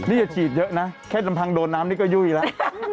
นี่อย่าฉีดเยอะนะแค่ลำพังโดนน้ำนี่ก็ยุ่ยแล้ว